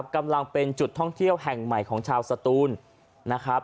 กำลังเป็นจุดท่องเที่ยวแห่งใหม่ของชาวสตูนนะครับ